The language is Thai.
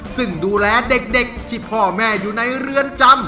ซึ่งดูแลเด็กที่พ่อแม่อยู่ในเรือนจำ